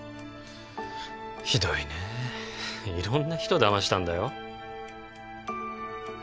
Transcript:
ひどいねえ色んな人だましたんだよ